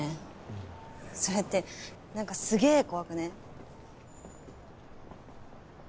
それってなんかすげぇ怖くね？